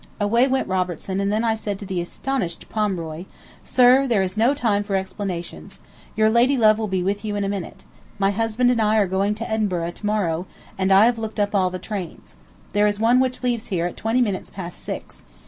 Away went Robertson, and then I said to the astonished Pomeroy, "Sir, there is no time for explanations. Your lady love will be with you in a minute. My husband and I are going to Edinburgh to morrow, and I have looked up all the trains. There is one which leaves here at twenty minutes past six.